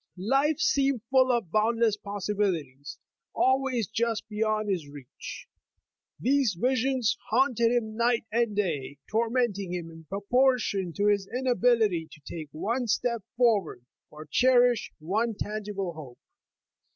Life seemed full of boundless possibilities, always just beyond his reach. These visions haunted him night and day, tormenting him in proportion to his inability to take one step forward, or cherish one tangible hope.